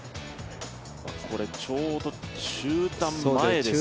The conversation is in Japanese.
これ、ちょうど中断前ですよね。